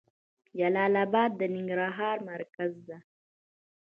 جلال اباد د ننګرهار مرکز ده.